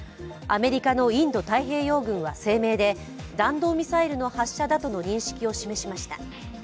アメリカのインド太平洋軍は声明で弾道ミサイルの発射だとの認識を示しました。